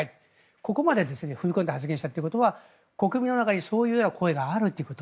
ここまで踏み込んで発言したということは国民の中にそういう声があるということ。